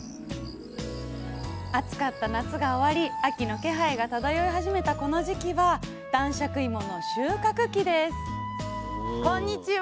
暑かった夏が終わり秋の気配が漂い始めたこの時期は男爵いもの収穫期ですこんにちは。